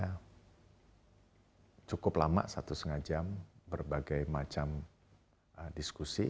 karena cukup lama satu setengah jam berbagai macam diskusi